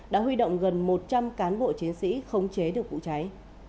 đã huy động gần một trăm linh cán bộ chiến sĩ khống chế được vụ cháy